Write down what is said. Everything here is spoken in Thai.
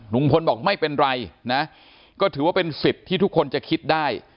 ลุงพลบอกไม่เป็นไรนะก็ถือว่าเป็นสิทธิ์ที่ทุกคนจะคิดได้